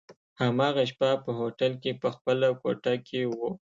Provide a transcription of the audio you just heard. هماغه شپه په هوټل کي په خپله کوټه کي وو.